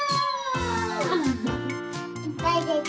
いっぱいでた。